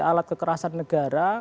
alat kekerasan negara